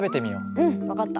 うん分かった。